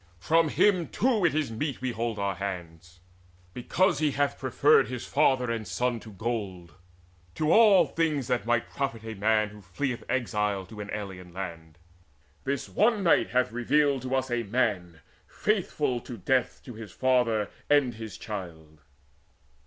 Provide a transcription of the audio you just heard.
From him too is it meet we hold our hands Because he hath preferred his father and son To gold, to all things that might profit a man Who fleeth exiled to an alien land. This one night hath revealed to us a man Faithful to death to his father and his child."